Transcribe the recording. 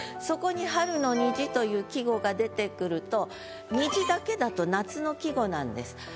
そこに「春の虹」という季語が出てくると「虹」だけだと夏の季語なんです。